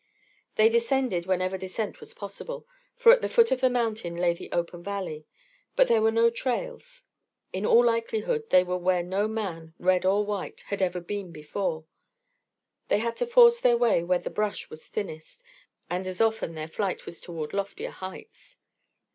They descended whenever descent was possible, for at the foot of the mountain lay the open valley; but there were no trails; in all likelihood they were where no man, red or white, had ever been before; they had to force their way where the brush was thinnest, and as often their flight was toward loftier heights.